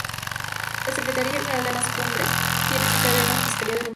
La Secretaria General de las Cumbres tiene su sede en la Fiscalía de Rumanía.